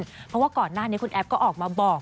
เพราะว่าก่อนหน้านี้คุณแอฟก็ออกมาบอก